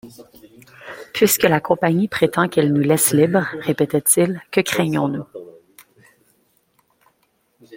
Puisque la Compagnie prétend qu’elle nous laisse libres, répétait-il, que craignons-nous?